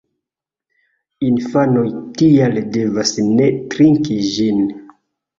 Infanoj tial devas ne trinki ĝin.